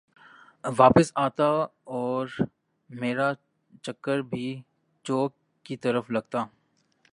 واپس آتا اورمیرا چکر بھی چوک کی طرف لگتا